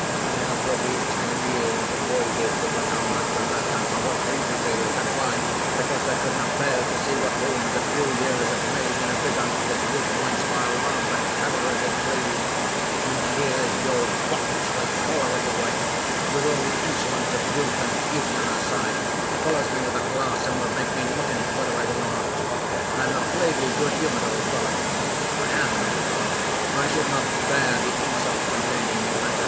I have for these ten years avoided to put on my cravat; and for what reason, do you think? Why, because I could not bear to see what ruins a few years have made in a visage, that used to inspire love and terror as it pleased. And here your what shall I call her of a wife, with all the insolence of youth and beauty on her side, follows me with a glass, and would make me look in it, whether I will or not. I'm a plaguy good humoured old fellow if I am an old fellow or I should not bear the insults contained in your letter.